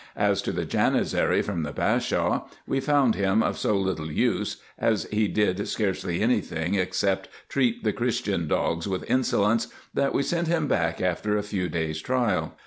As to the Janizary from the Bashaw, we found him of so little use (as he did scarcely any thing except treat the Christian dogs with insolence), that we sent him back after a few days trial.